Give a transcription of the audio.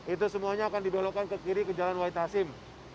itu semuanya akan dibelokkan ke kiri ke jalan waitasim